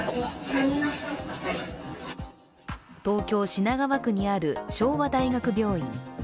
東京・品川区にある昭和大学病院。